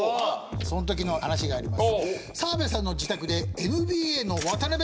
そんときの話があります。